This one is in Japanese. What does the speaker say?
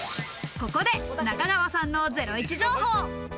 ここで中川さんのゼロイチ情報。